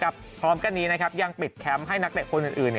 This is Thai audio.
พร้อมกันนี้ยังปิดแคมป์ให้นักเตะคนอื่น